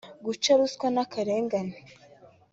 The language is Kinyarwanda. Guca ruswa n’akarengane